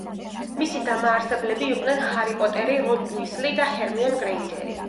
მისი დამაარსებლები იყვნენ ჰარი პოტერი, რონ უისლი და ჰერმიონ გრეინჯერი.